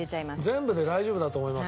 全部で大丈夫だと思います。